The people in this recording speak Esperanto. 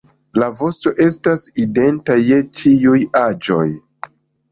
La vosto estas identa je ĉiuj aĝoj.